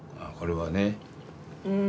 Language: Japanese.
これはね。